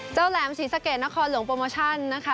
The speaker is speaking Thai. แหลมศรีสะเกดนครหลวงโปรโมชั่นนะคะ